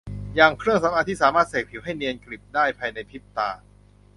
อย่างเครื่องสำอางที่สามารถเสกผิวให้เนียนกริบได้ภายในพริบตา